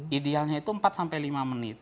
idealnya itu empat sampai lima menit